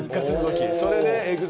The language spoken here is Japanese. それで。